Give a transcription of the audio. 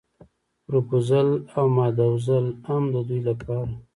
پروپوزل او ماداوزل هم د دوی لپاره.